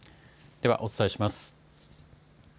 ではお伝えします。